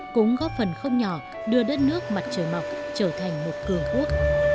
cũng góp phần không nhỏ đưa đất nước mặt trời mọc trở thành một cường quốc